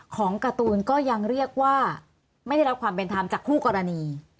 ของการ์ตูนก็ยังเรียกว่าไม่ได้รับความเป็นธรรมจากคู่กรณี